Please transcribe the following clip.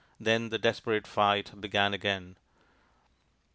Then the desperate fight began again.